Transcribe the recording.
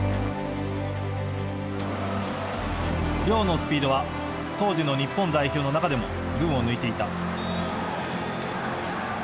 亮のスピードは当時の日本代表の中でも群を抜いていた。